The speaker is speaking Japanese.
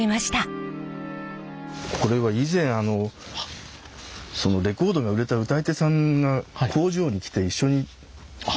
これは以前レコードが売れた歌い手さんが工場に来て一緒に撮ったものですね。